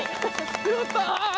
やった！